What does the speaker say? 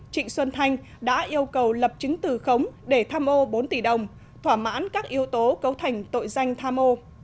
trịnh xuân thanh đã yêu cầu lập chứng từ khống để tham ô bốn tỷ đồng thỏa mãn các yếu tố cấu thành tội danh tham ô